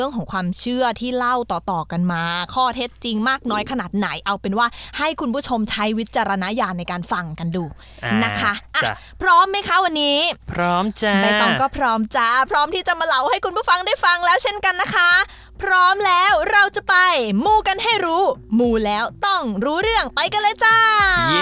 ของความเชื่อที่เล่าต่อต่อกันมาข้อเท็จจริงมากน้อยขนาดไหนเอาเป็นว่าให้คุณผู้ชมใช้วิจารณญาณในการฟังกันดูนะคะพร้อมไหมคะวันนี้พร้อมจ้าใบตองก็พร้อมจ้าพร้อมที่จะมาเล่าให้คุณผู้ฟังได้ฟังแล้วเช่นกันนะคะพร้อมแล้วเราจะไปมูกันให้รู้มูแล้วต้องรู้เรื่องไปกันเลยจ้า